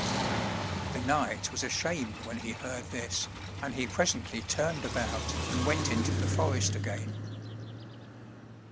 The knight was ashamed when he heard this, and he presently turned about and went into the forest again.